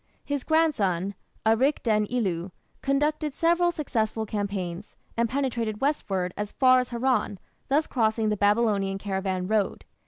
His grandson, Arik den ilu, conducted several successful campaigns, and penetrated westward as far as Haran, thus crossing the Babylonian caravan road.